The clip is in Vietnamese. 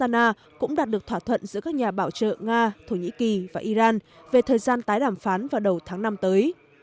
nga cũng đạt được thỏa thuận giữa các nhà bảo trợ nga thổ nhĩ kỳ và iran về thời gian tái đàm phán vào đầu tháng năm tới